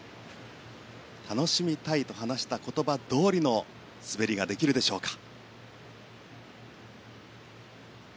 楽しみたいと話した言葉どおりの滑りができるでしょうか。